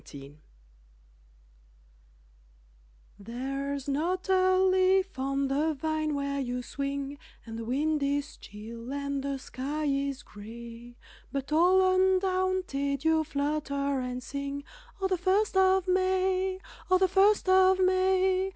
Robin There's not a leaf on the vine where you swing And the wind is chill and the sky is grey, But all undaunted you flutter and sing, "Ho, the first of May! Ho, the first of May!"